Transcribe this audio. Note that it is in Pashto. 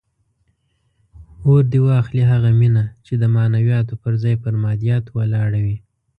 اور دې واخلي هغه مینه چې د معنویاتو پر ځای پر مادیاتو ولاړه وي.